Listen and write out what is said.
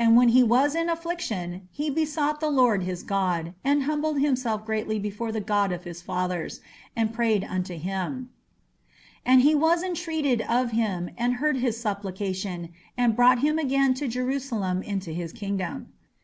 And when he was in affliction, he besought the Lord his God, and humbled himself greatly before the God of his fathers, and prayed unto him: and he was intreated of him, and heard his supplication, and brought him again to Jerusalem into his kingdom."